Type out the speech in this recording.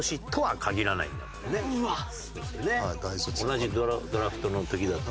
同じドラフトの時。